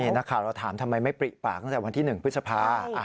นักข่าวเราถามทำไมไม่ปริปากตั้งแต่วันที่๑พฤษภา